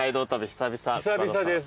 久々です。